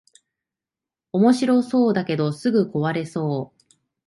おもしろそうだけどすぐ壊れそう